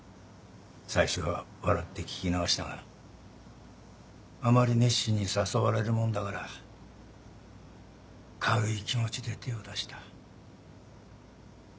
最初は笑って聞き流したがあまり熱心に誘われるもんだから軽い気持ちで手を出した。